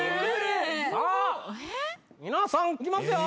さあ皆さんいきますよ。